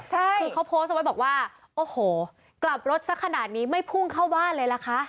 ใช่คือเขาโพสต์เอาไว้บอกว่าโอ้โหกลับรถสักขนาดนี้ไม่พุ่งเข้าบ้านเลยล่ะคะ